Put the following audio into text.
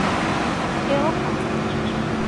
Iṛuḥ-aɣ.